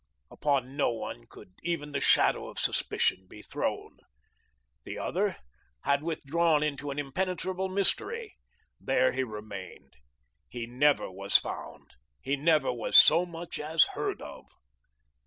Upon no one could even the shadow of suspicion be thrown. The Other had withdrawn into an impenetrable mystery. There he remained. He never was found; he never was so much as heard of.